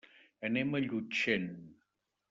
Anem a Llutxent.